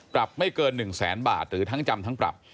ปรับไม่เกิน๑แสนบาทหรือทั้งจำทั้งปรับ